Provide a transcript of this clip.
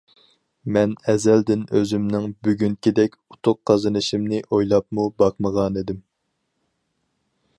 مەن ئەزەلدىن ئۆزۈمنىڭ بۈگۈنكىدەك ئۇتۇق قازىنىشىمنى ئويلاپمۇ باقمىغانىدىم.